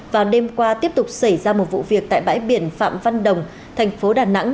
vào đêm qua tiếp tục xảy ra một vụ việc tại bãi biển phạm văn đồng thành phố đà nẵng